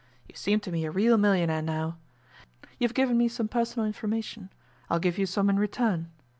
You seem to me a real millionaire now. You've given me some personal information; I'll give you some in return.